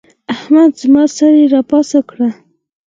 احمد زما سږي راپاخه کړل.